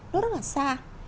nó rất là xa